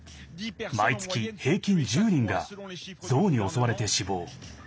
毎月、平均１０人がゾウに襲われて死亡。